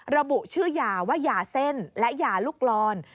ระบุชื่อยาว่ายาเส้นและยาลูกลอน